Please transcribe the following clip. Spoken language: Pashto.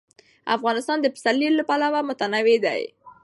افغانستان د پسرلی له پلوه متنوع دی.